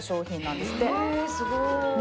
すごーい。